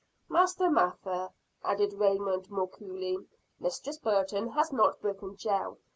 "Master Mather," added Raymond, more coolly, "Mistress Burton has not broken jail.